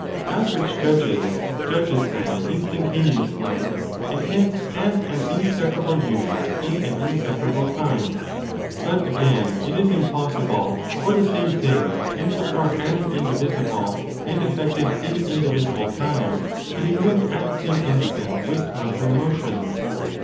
That which judges judges, then, instantaneously and hence as an inseparable unit in an inseparable time. But, again, it is impossible for the same thing, in 13 so far as indivisible and affected in indivisible time, to be moved at the same instant with contrary motions.